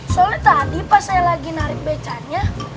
soalnya tadi pas saya lagi narik becaknya